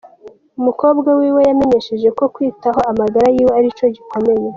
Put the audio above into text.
Umukobwa wiwe yamenyesheje ko, kwitaho amagara yiwe arico gikomeye.